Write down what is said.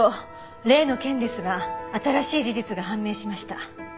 例の件ですが新しい事実が判明しました。